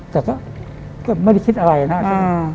แต่ก็ไม่ได้คิดอะไรนะ